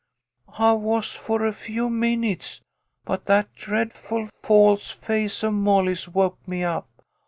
" I was, for a few minutes, but that dreadful false face of Molly's woke me up.